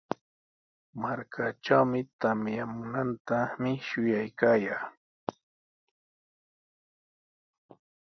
Markaatrawmi tamyamuntami shuyaykaayaa.